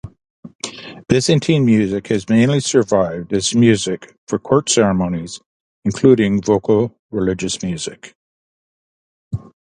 Byzantine music has mainly survived as music for court ceremonies, including vocal religious music.